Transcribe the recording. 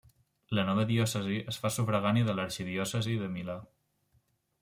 La nova diòcesi es fa sufragània de l'arxidiòcesi de Milà.